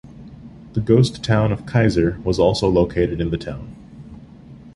The ghost town of Kaiser was also located in the town.